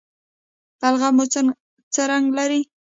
بلغم مو څه رنګ لري؟